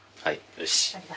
よし。